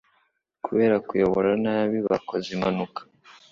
kubera kuyobora nabi bakoze impanuka